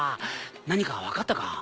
何か分かったか？